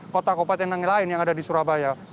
kota kabupaten yang lain yang ada di surabaya